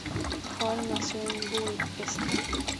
Hall nació en Bury St.